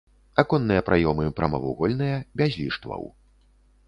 Аконныя праёмы прамавугольныя, без ліштваў.